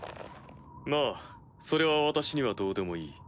まぁそれは私にはどうでもいい。